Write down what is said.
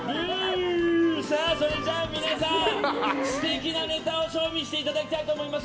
それじゃ皆さん、素敵なネタを賞味していただきたいと思います。